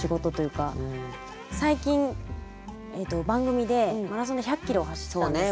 最近番組でマラソンで１００キロを走ったんですけど。